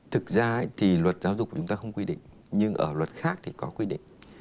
thực ra thì luật giáo dục của chúng ta không quy định nhưng ở luật khác thì có quy định